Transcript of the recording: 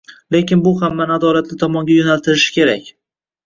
Lekin bu hammani adolatli tomonga yoʻnaltirishi kerak.